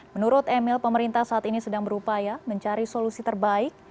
menurut emil pemerintah saat ini sedang berupaya mencari solusi terbaik